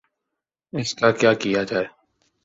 اس کا کیا کیا جائے؟